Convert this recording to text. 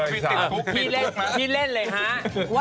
ปลูกปลูกอ๊าพี่เล่นเลยฮะที่เล่นเลยฮะ